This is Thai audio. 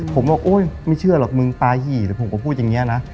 ผมบอกโอ๊ยไม่เชื่อหรอกมึงปลาหี่หรือผมก็พูดอย่างนี้นะ